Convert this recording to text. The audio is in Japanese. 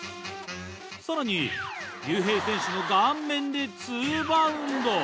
さらに雄平選手の顔面でツーバウンド。